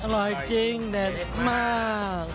อร่อยจริงเด็ดมาก